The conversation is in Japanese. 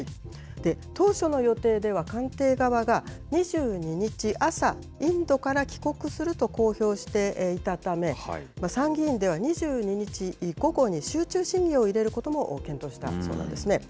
当初の予定では官邸側が２２日朝インドから帰国すると公表していたため参議院では２２日午後に集中審議を入れることも検討してたそうですね。